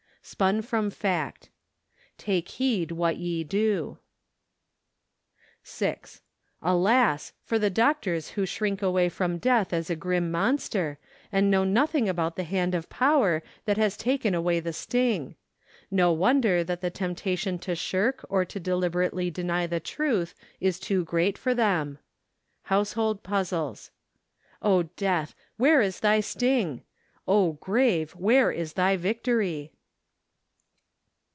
Spun from Fact. " Take heed what ye do ." 6. Alas! for the doctors who shrink away from death as a grim monster, and know nothing about the Hand of Power that has taken away the sting. No wonder that the temptation to shirk or to deliber¬ ately deny the truth is too great for them. Household Puzzles. " 0, death! where is thy sting? 0, grave! where is thy victory?